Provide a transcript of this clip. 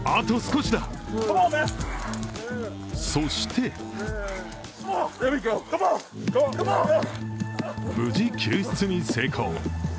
そして無事、救出に成功。